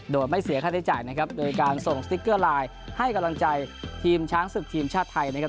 โดยไม่เสียค่าใช้จ่ายนะครับโดยการส่งสติ๊กเกอร์ไลน์ให้กำลังใจทีมช้างศึกทีมชาติไทยนะครับ